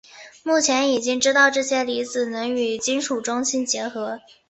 目前已经知道这些离子能与金属中心结合。